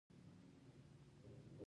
کوم افغان ملا ورته ویلي وو.